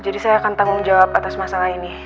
jadi saya akan tanggung jawab atas masalah ini